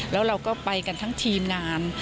แล้วเราก็ไปกันทั้งทีมงาน